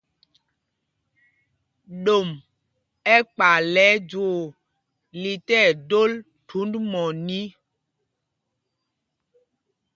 Ɗom ɛkpay lɛ ɛjwoo lí tí ɛdol thund mɔní.